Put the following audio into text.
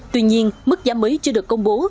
tuy nhiên mức giá mới chưa được công bố